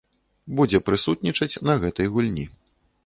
Будзе прысутнічаць на гэтай гульні.